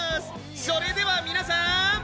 それでは皆さん。